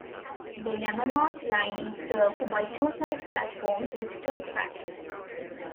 The Yamanote Line is served by two side platforms with two tracks.